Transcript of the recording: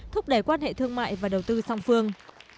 thúc đẩy quan hệ thương mại và đầu tư song phương